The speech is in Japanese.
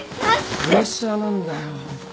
プレッシャーなんだよ。